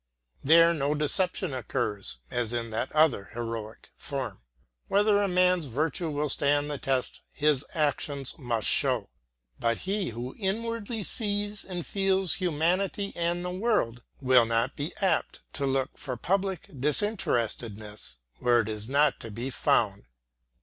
There no deception occurs, as in that other heroic form. Whether a man's virtue will stand the test, his actions must show. But he who inwardly sees and feels humanity and the world will not be apt to look for public disinterestedness where it is not to be found.